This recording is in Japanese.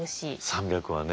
３００はね。